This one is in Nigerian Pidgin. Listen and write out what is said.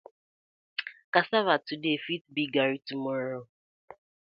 Cassava today fit be Garri tomorrow.